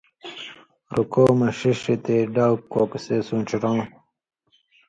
رُکوع مہ ݜِݜ یی تے ڈاؤ کوکسے سون٘ݜیۡ رؤں،